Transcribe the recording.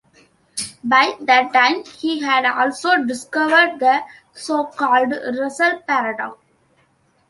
By that time he had also discovered the so-called Russell paradox.